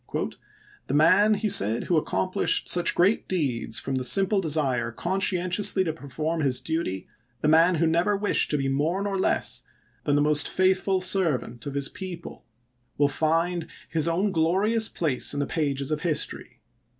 " The man," he said, " who accomplished such great deeds from the simple desire conscientiously to per form his duty, the man who never wished to be more nor less than the most faithful servant of his people, 344 ABRAHAM LINCOLN ch. xvin. will find his own glorious place in the pages of history.